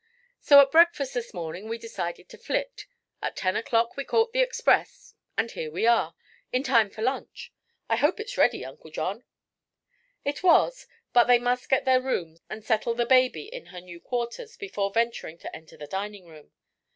So at breakfast this morning we decided to flit. At ten o'clock we caught the express, and here we are in time for lunch. I hope it's ready, Uncle John." It was; but they must get their rooms and settle the baby in her new quarters before venturing to enter the dining room.